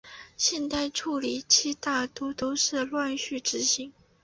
现代处理器大都是乱序执行。